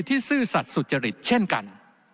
ซื่อสัตว์สุจริตเช่นกัน